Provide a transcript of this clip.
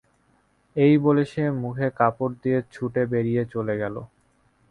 এই বলে সে মুখে কাপড় দিয়ে ছুটে বেরিয়ে চলে গেল।